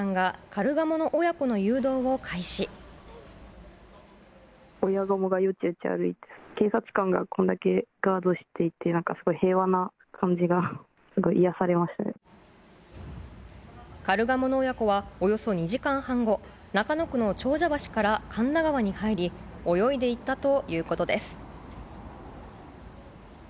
カルガモの親子はおよそ２時間半後、中野区の長者橋から神田川に入り、泳いでいったということです。